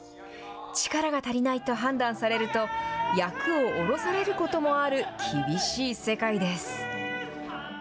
力が足りないと判断されると、役をおろされることもある、厳しい世界です。